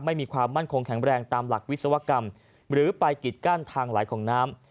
มีความมั่นคงแข็งแรงตามหลักวิศวกรรมหรือไปกิดกั้นทางไหลของน้ำ